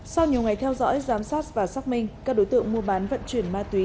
sau nhiều ngày theo dõi giám sát và xác minh các đối tượng mua bán vận chuyển ma túy